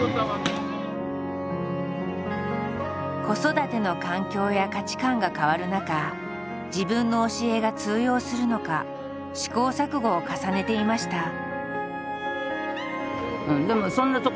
子育ての環境や価値観が変わる中自分の教えが通用するのか試行錯誤を重ねていました。